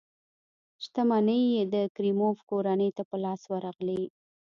شتمنۍ یې د کریموف کورنۍ ته په لاس ورغلې.